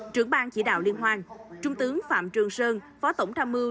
trưởng bang chỉ đạo liên hoan trung tướng phạm trường sơn phó tổng tham mưu